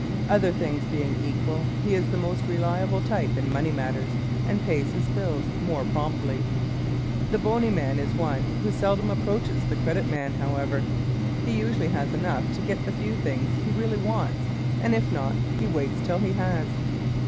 "Other things being equal, he is the most reliable type in money matters, and pays his bills more promptly." ¶ The bony man is one who seldom approaches the credit man, however. He usually has enough to get the few things he really wants and if not he waits till he has.